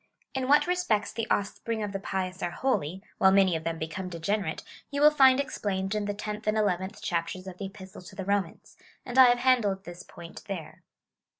In what respects the offspring of the pious are holy, while many of them become degenerate, you will find explained in the tenth and eleventh chapters of the Epistle to the Romans ; and I have handled this point there.